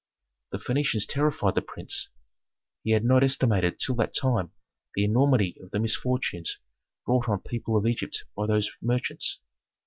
The Phœnicians terrified the prince; he had not estimated till that time the enormity of the misfortunes brought on people of Egypt by those merchants.